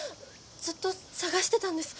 ずっと探してたんです